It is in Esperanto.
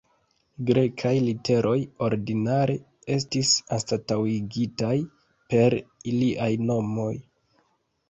Grekaj literoj ordinare estis anstataŭigitaj per iliaj nomoj.